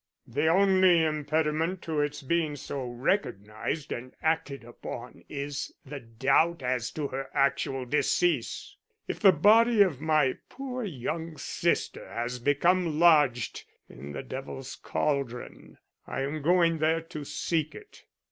The only impediment to its being so recognized and acted upon is the doubt as to her actual decease. If the body of my poor young sister has become lodged in the Devil's Cauldron, I am going there to seek it.